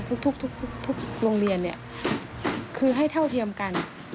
ทุกโรงเรียนเนี่ยคือให้เท่าเทียมกัน